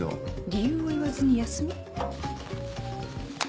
理由を言わずに休み？